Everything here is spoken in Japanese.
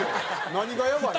何がやばいの？